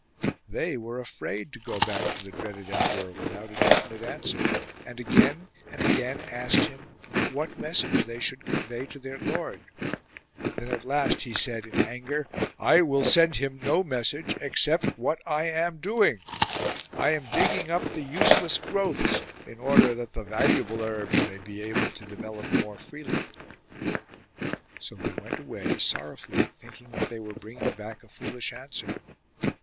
They were afraid to go back to the dreaded emperor without a definite answer, and again and again asked him what message they should convey to their lord. Then at last he said in anger :—" I will send him no message except — what I am doing ! I am digging up the useless growths in order that the raluable herbs may be able to develop more freely." So they went away sorrowfully thinking that they were bringing back a foolish answer.